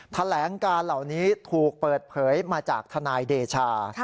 แถลงการเหล่านี้ถูกเปิดเผยมาจากทนายเดชา